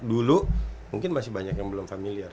dulu mungkin masih banyak yang belum familiar